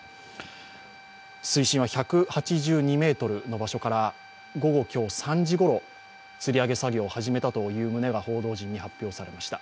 水深は１８２ｍの場所から、午後３時ごろ、つり上げ作業を始めたという旨が報道陣に発表されました。